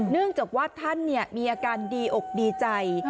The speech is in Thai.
เนื่องจากว่าท่านมีอาการดีอกดีใจ